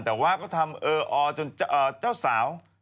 แต่ว่าก็ทำเอออจนเจ้าสาว